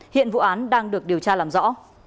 hiện vụ án đang được điều tra làm rõ